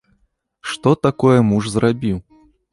Што такое муж зрабіў?